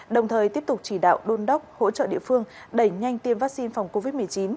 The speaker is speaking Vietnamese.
đồng thời tiếp tục chỉ đạo đôn đốc hỗ trợ địa phương đẩy nhanh tiêm vaccine phòng covid một mươi chín